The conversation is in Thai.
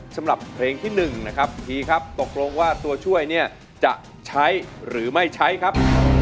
สำหรับเพลงที่๑นะครับพีครับตกลงว่าตัวช่วยเนี่ยจะใช้หรือไม่ใช้ครับ